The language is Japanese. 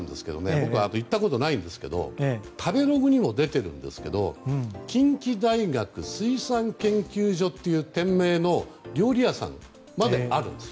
僕行ったことないんですけど食べログにも出ているんですけど近畿大学水産研究所という店名の料理屋さんまであるんですよ。